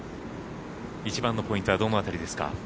一番のポイントはどの辺りですか？